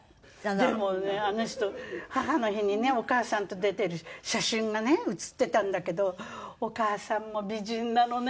でもねあの人母の日にねお母さんと出てる写真がね映ってたんだけどお母さんも美人なのね。